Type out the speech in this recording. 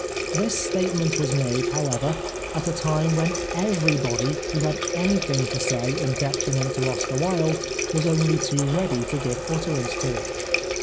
This statement was made, how ever, at a time when everybody who had any thing to say in detriment to Oscar Wilde was only too ready to give utterance to it.